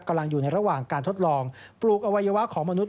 อยู่ในระหว่างการทดลองปลูกอวัยวะของมนุษ